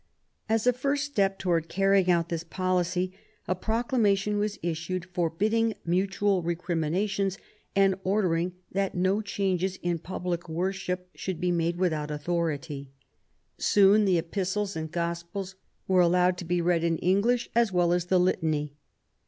A§ ^ first $tep towards carrying out this policy, a ■ 4 50 QUEEN ELIZABETH, proclamation was issued forbidding mutual recrimi nations, and ordering that no changes in public wor ship should be made without authority. Soon the Epistles and Gospels were allowed to be read in English as well as the Litany.